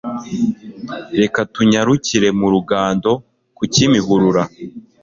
Reka tunanyarukire mu Rugando ku Kimihurura